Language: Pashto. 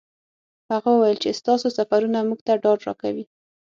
هغه وویل چې ستاسو سفرونه موږ ته ډاډ راکوي.